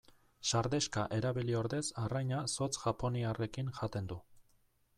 Sardexka erabili ordez arraina zotz japoniarrekin jaten du.